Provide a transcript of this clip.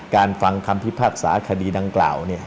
การฟังคำที่ภาคสาคดีนังกล่าว